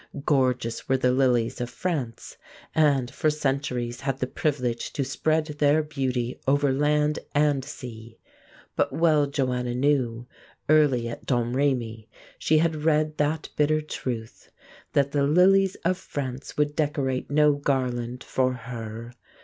Gorgeous were the lilies of France, and for centuries had the privilege to spread their beauty over land and sea; ... but well Joanna knew, early at Domrémy she had read that bitter truth, that the lilies of France would decorate no garland for her.